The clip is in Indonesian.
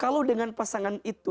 kalau dengan pasangan itu